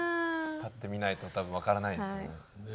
立ってみないと多分分からないですね。